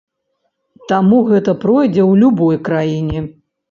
Таму гэта пройдзе ў любой краіне.